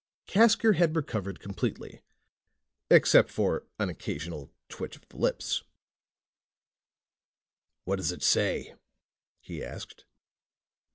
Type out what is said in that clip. Casker had recovered completely, except for an occasional twitch of the lips. "What does it say?" he asked.